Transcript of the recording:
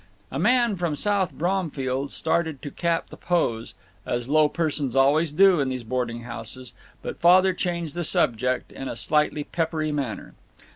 A man from South Bromfield started to cap the pose, as low persons always do in these boarding houses, but Father changed the subject, in a slightly peppery manner.